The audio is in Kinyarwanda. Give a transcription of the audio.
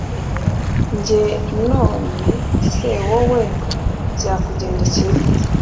Njye none se wowe byakugendekeye bite